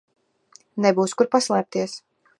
Nebūs kur paslēpties.